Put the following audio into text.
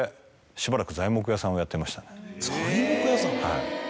はい。